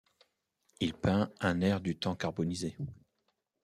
Il peint un air du temps carbonisé.